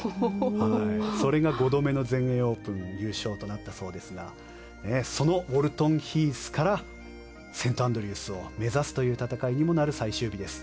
それが５度目の全英オープン優勝となったそうですがそのウォルトンヒースからセントアンドリュースを目指すという戦いにもなるという最終日です。